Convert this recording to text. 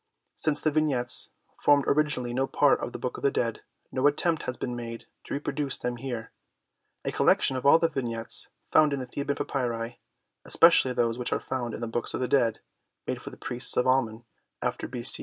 Since the Vignettes formed originally no part of the Book of the Dead, no attempt has been made to reproduce them here ; a collection of all the Vig nettes found in the Theban papyri, especially those which are found in the Books of the Dead made for the priests of Amen after B. C.